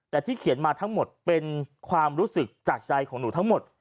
แต่ที่เขียนมาทั้งหมดเป็นความรู้สึกจากใจของหนูทั้งหมด